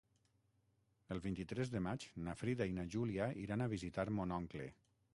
El vint-i-tres de maig na Frida i na Júlia iran a visitar mon oncle.